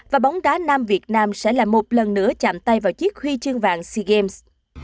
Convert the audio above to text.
và bóng đá nam việt nam sẽ là một lần nữa chạm tay vào chiếc huy chương vàng sea games